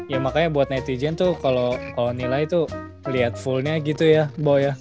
ya makanya buat netizen tuh kalau nilai itu lihat fullnya gitu ya